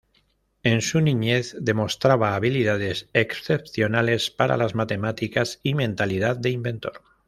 En su niñez demostraba habilidades excepcionales para las matemáticas y mentalidad de inventor.